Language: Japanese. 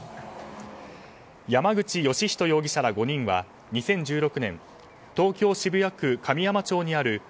山口芳仁容疑者ら５人は２０１６年東京・渋谷区神山町にある